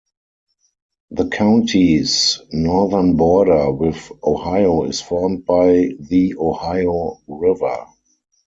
The county's northern border with Ohio is formed by the Ohio River.